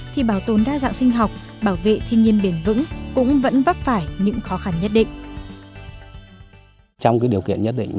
thì bảo tồn đa dạng sinh học bảo vệ thiên nhiên bền vững cũng vẫn vấp phải những khó khăn nhất định